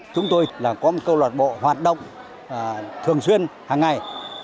chúng tôi là có một câu lạc bộ hoạt động thường xuyên hàng ngày